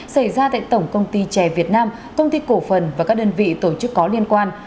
xảy ra tại tổng công ty trẻ việt nam công ty cổ phần và các đơn vị tổ chức có liên quan